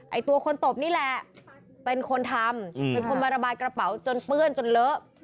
ตัวคนตบนี่แหละเป็นคนทำเป็นคนมาระบายกระเป๋าจนเปื้อนจนเลอะ